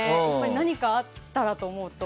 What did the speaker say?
何かあったらと思うと。